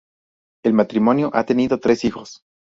El matrimonio ha tenido tres hijos.